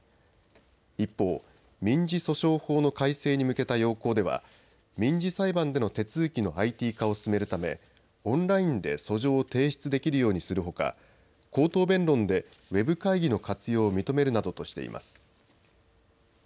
一方、民事訴訟法の改正に向けた要綱では民事裁判での手続きのＩＴ化を進めるためオンラインで訴状を提出できるようにするほか口頭弁論でウェブ会議の活用を認めるなどとしています。